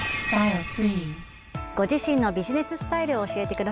ご自身のビジネススタイルを教えてください。